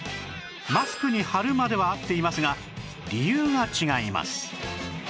マスクに貼るまでは合っていますが理由が違います